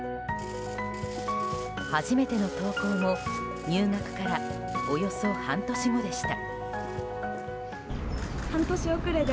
初めての登校も入学からおよそ半年後でした。